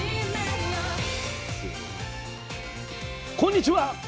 こんにちは。